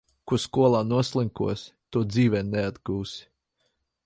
Ko skolā noslinkosi, to dzīvē neatgūsi.